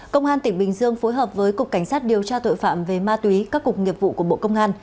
công an tỉnh bình dương phối hợp với cục cảnh sát điều tra tội phạm về ma túy các cục nghiệp vụ của bộ công an